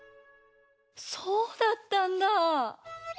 そうだったんだぁ。